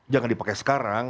jangan dipakai sekarang